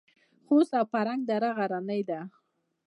خوست او فرنګ دره غرنۍ ده؟